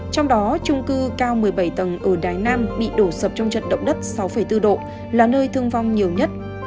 trong đó trung cư cao một mươi bảy tầng ở đài nam bị đổ sập trong trận động đất sáu bốn độ là nơi thương vong nhiều nhất